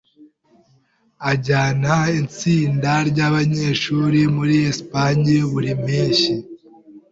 Ajyana itsinda ryabanyeshuri muri Espagne buri mpeshyi.